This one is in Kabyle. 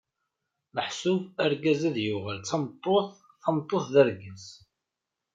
Meḥsub argaz ad d-yuɣal d tameṭṭut, tameṭṭut d argaz.